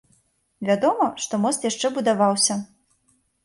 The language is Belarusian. Вядома, што мост яшчэ будаваўся.